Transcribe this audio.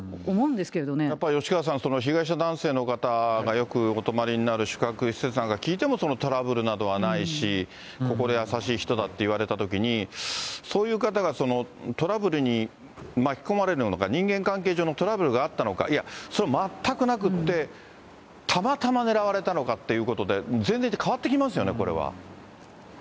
やっぱり吉川さん、その被害者男性の方がよくお泊まりになる宿泊施設なんか聞いても、トラブルなどはないし、心優しい人だって言われたときに、そういう方がそのトラブルに巻き込まれるのか、人間関係上のトラブルがあったのか、いや、それは全くなくって、たまたま狙われたのかっていうことで、前提として変わってきますよね、これは。